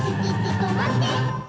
とまって！